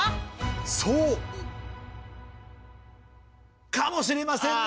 そう！かもしれませんね！